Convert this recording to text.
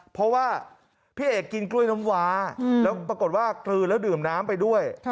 เพราะว่าพี่เอกกินกล้วยน้ำวาแล้วปรากฏว่ากลืนแล้วดื่มน้ำไปด้วย